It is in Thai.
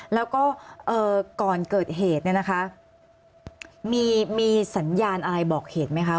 แล้วก็ก่อนเกิดเหตุเนี่ยนะคะมีสัญญาณอะไรบอกเหตุไหมคะ